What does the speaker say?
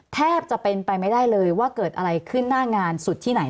แทบจะเป็นไปไม่ได้เลยว่าเกิดอะไรขึ้นหน้างานสุดที่ไหน